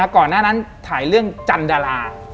ก่อนหน้านั้นถ่ายเรื่องจันดารา